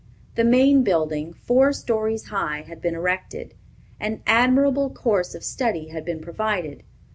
The main building, four stories high, had been erected. An admirable course of study had been provided.